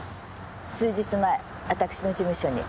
数日前私の事務所に。